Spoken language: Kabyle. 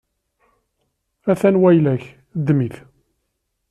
A-t-an wayla-k, ddem-it!